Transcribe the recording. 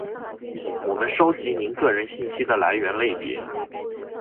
我们收集您个人信息的来源类别；